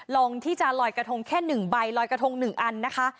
ลองที่จะลอยกระทงแค่๑ใบลอยกระทง๑อันนะคะ